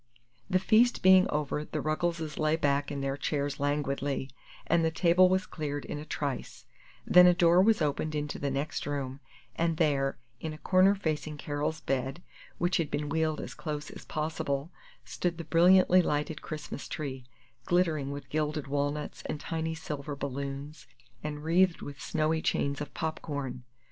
The feast being over, the Ruggleses lay back in their chairs languidly, and the table was cleared in a trice; then a door was opened into the next room, and there, in a corner facing Carol's bed, which had been wheeled as close as possible, stood the brilliantly lighted Christmas tree, glittering with gilded walnuts and tiny silver balloons, and wreathed with snowy chains of pop corn.